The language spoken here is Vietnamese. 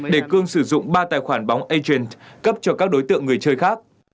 để cương sử dụng ba tài khoản bóng atiance cấp cho các đối tượng người chơi khác